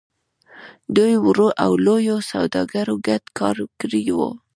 دوی وړو او لويو سوداګرو ګډ کار کړی و.